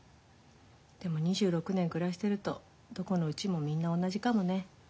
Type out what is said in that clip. でも２６年暮らしてるとどこのうちもみんな同じかもね。